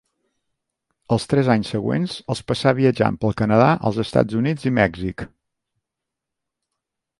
Els tres anys següents els passà viatjant pel Canadà, els Estats Units i Mèxic.